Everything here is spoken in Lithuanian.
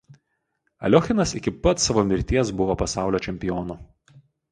Aliochinas iki pat savo mirties buvo pasaulio čempionu.